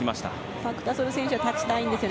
パク・タソル選手は立ちたいんですよね。